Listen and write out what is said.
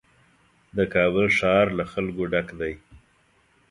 د کابل ښار له خلکو ډک دی.